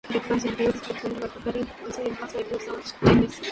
Differences include different vocabulary, but also involve regular sound changes.